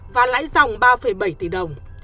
và lãi dòng ba bảy tỷ đồng